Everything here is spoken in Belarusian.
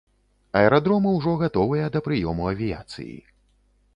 Аэрадромы ўжо гатовыя да прыёму авіяцыі.